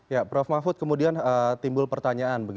ya prof mahfud kemudian timbul pertanyaan